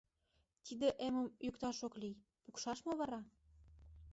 Тиде эмым йӱкташ ок лий, пукшаш мо вара?